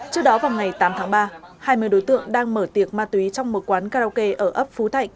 trước đó vào ngày tám tháng ba hai mươi đối tượng đang mở tiệc ma túy trong một quán karaoke ở ấp phú thạnh